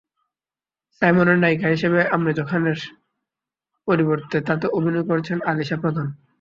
সাইমনের নায়িকা হিসেবে অমৃতা খানের পরিবর্তে তাতে অভিনয় করেছেন আলিশা প্রধান।